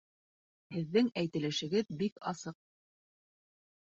Һеҙҙең әйтелешегеҙ бик асыҡ